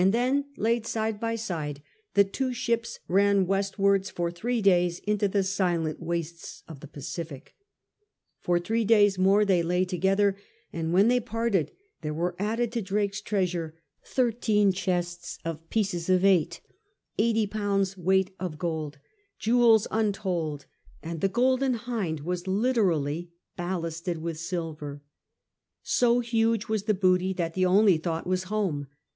VI THE GREAT TREASURE GALLEON 83 her to reason, and then side by side the two ships ran westwards for three days into the silent wastes of the Pacific For three days more they lay together, and when they parted there were added to Drake's treasure thirteen chests of pieces of eight, eighty pounds weight of gold, jewels untold, and the Golden Hind was literally ballasted with silver. So huge was the booty that the only thought was home.